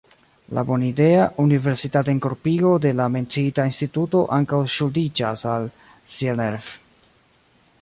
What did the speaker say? La bonidea universitatenkorpigo de la menciita instituto ankaŭ ŝuldiĝas al Sienerth.